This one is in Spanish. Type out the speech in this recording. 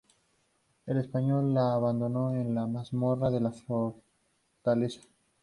El español lo abandona en la mazmorra de la fortaleza.